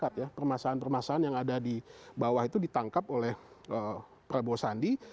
karena permasaan permasaan yang ada di bawah itu ditangkap oleh prabowo sandi